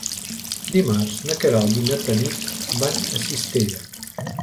Dimarts na Queralt i na Tanit van a Cistella.